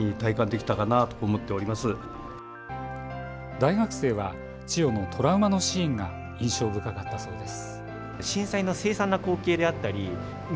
大学生は千代のトラウマのシーンが印象深かったそうです。